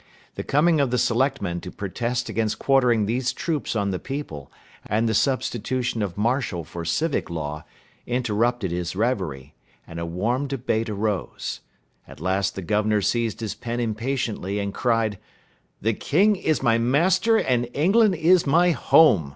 The coming of the selectmen to protest against quartering these troops on the people and the substitution of martial for civic law, interrupted his reverie, and a warm debate arose. At last the governor seized his pen impatiently, and cried, "The king is my master and England is my home.